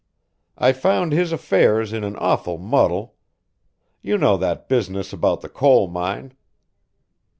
"I found his affairs in an awful muddle. You know that business about the coal mine.